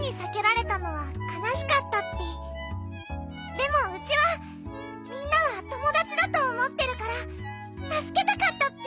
でもウチはみんなはともだちだとおもってるからたすけたかったッピ！